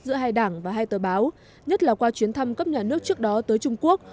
giữa hai đảng và hai tờ báo nhất là qua chuyến thăm cấp nhà nước trước đó tới trung quốc